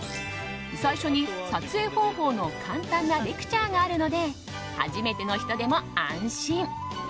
最初に、撮影方法の簡単なレクチャーがあるので初めての人でも安心。